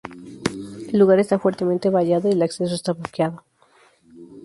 El lugar está fuertemente vallado y el acceso está bloqueado.